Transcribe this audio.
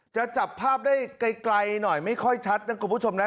จับภาพได้ไกลหน่อยไม่ค่อยชัดนะคุณผู้ชมนะ